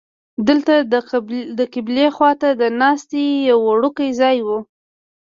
دلته قبلې خوا ته د ناستې یو وړوکی ځای و.